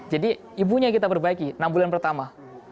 jadi ibunya kita perbaiki enam bulan pertama